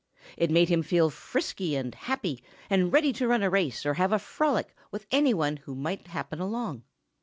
It made him feel frisky and happy and ready to run a race or have a frolic with any one who might happen along.